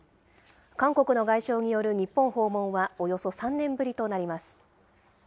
韓国の外相による日本訪問は、およそ３年ぶりとなります。